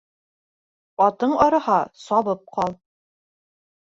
Атың арыһа, сабып ҡал.